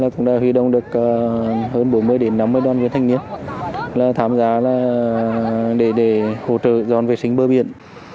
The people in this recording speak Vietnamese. cũng đã huy động được hơn bốn mươi năm mươi đoàn viên thanh niên tham gia để hỗ trợ dọn vệ sinh bờ biển